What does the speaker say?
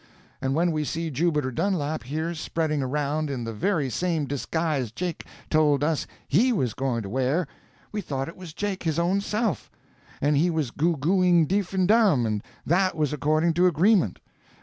And when we see Jubiter Dunlap here spreading around in the very same disguise Jake told us he was going to wear, we thought it was Jake his own self—and he was goo gooing deef and dumb, and that was according to agreement.